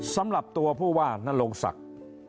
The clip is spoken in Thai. สำหรับตัวผู้ว่านโรงศักดิ์